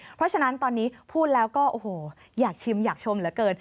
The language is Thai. เพราะฉะนั้นตอนนี้พูดแล้วก็โอ้โหอยากชิมอยากชมเหลือเกิน